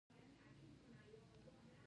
افغانستان په خپلو غوښې باندې ډېر غني دی.